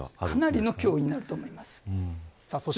かなりの脅威になると思います。